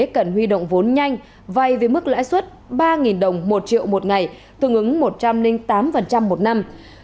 cần huy động vốn nhanh vay với mức lãi suất ba đồng một triệu một ngày tương ứng một trăm linh tám một năm